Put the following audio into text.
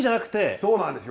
そうなんですよ。